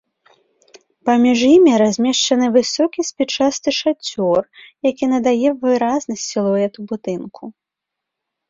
Паміж імі размешчаны высокі спічасты шацёр, які надае выразнасць сілуэту будынку.